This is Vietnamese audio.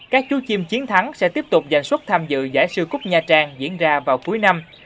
các chú chim chiến thắng sẽ tiếp tục dành xuất tham dự giải sưu cúp nhà trang diễn ra vào cuối năm